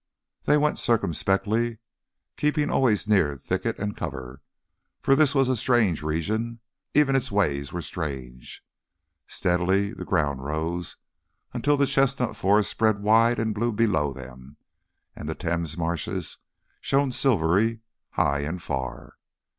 They went circumspectly, keeping always near thicket and cover, for this was a strange region even its ways were strange. Steadily the ground rose, until the chestnut forests spread wide and blue below them, and the Thames marshes shone silvery, high and far.